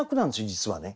実はね。